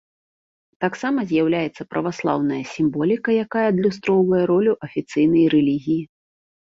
Таксама з'яўляецца праваслаўная сімволіка, якая адлюстроўвае ролю афіцыйнай рэлігіі.